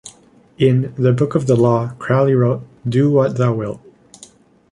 In "The Book of the Law" Crowley wrote "Do What Thou Wilt".